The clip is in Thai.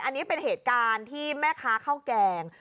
อันนี้เป็นเหตุการณ์ที่แม่ค้าข้าวแกง